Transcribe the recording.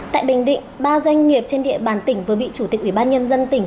tại bình định ba doanh nghiệp trên địa bàn tỉnh vừa bị chủ tịch ủy ban nhân dân tỉnh